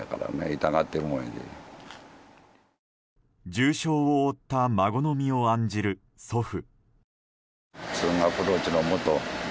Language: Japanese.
重傷を負った孫の身を案じる祖父。